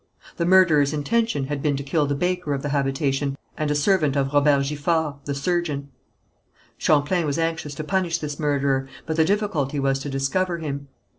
The murderer's intention had been to kill the baker of the habitation, and a servant of Robert Giffard, the surgeon. Champlain was anxious to punish this murderer, but the difficulty was to discover him.